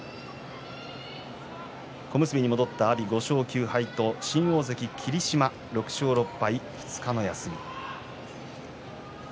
小結に戻った阿炎５勝９敗と新大関の霧島６勝６敗２日の休み。